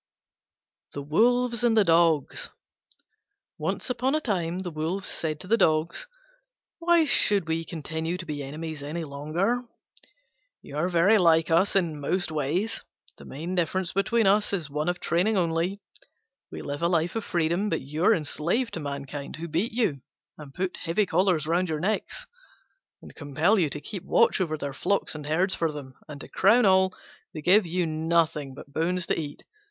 THE WOLVES AND THE DOGS Once upon a time the Wolves said to the Dogs, "Why should we continue to be enemies any longer? You are very like us in most ways: the main difference between us is one of training only. We live a life of freedom; but you are enslaved to mankind, who beat you, and put heavy collars round your necks, and compel you to keep watch over their flocks and herds for them, and, to crown all, they give you nothing but bones to eat.